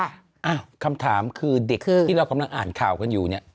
อ้าวคำถามคือเด็กที่เรากำลังอ่านข่าวกันอยู่เนี่ย